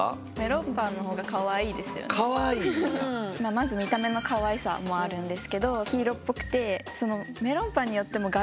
まず見た目のかわいさもあるんですけど黄色っぽくてメロンパンによっても柄？